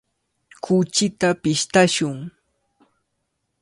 Kuchita pishtashun.